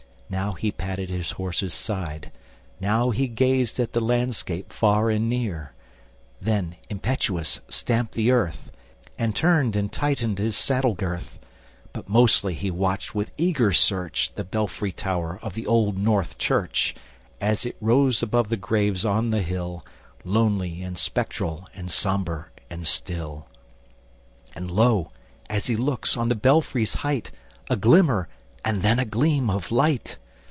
Now he patted his horseŌĆÖs side, Now gazed at the landscape far and near, Then, impetuous, stamped the earth, And turned and tightened his saddle girth; But mostly he watched with eager search The belfry tower of the Old North Church, As it rose above the graves on the hill, Lonely and spectral and sombre and still. And lo! as he looks, on the belfryŌĆÖs height A glimmer, and then a gleam of light!